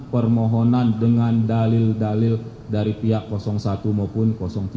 permohonan dengan dalil dalil dari pihak satu maupun tiga